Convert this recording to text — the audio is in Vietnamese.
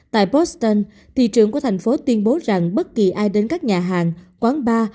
tại boston thị trưởng của thành phố tuyên bố rằng bất kỳ ai đến các nhà hàng quán bar